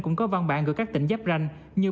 cũng có văn bản gửi các tỉnh giáp ranh như